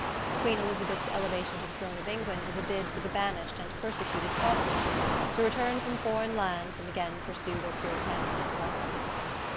Queen Elizabeth's elevation to the throne of England was a bid for the banished and persecuted Protestants to return from foreign lands and again pursue their puritanical philosophy.